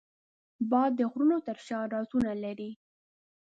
باد د غرونو تر شا رازونه لري